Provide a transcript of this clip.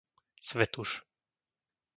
Svätuš